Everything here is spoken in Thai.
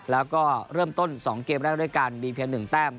แล้วก็เริ่มต้นสองเกมแล้วด้วยกันมีเพียงหนึ่งแต้ม